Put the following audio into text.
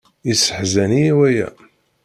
Yesseḥzan-iyi waya.